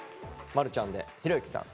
丸ちゃんでひろゆきさん